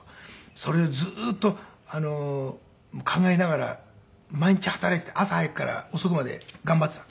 それをずーっと考えながら毎日働いていて朝早くから遅くまで頑張っていたと。